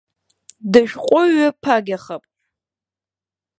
Дышәҟәыҩҩ ԥагьахап.